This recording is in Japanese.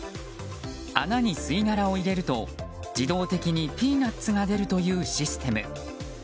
穴に吸い殻を入れると自動的にピーナツが出るというシステム。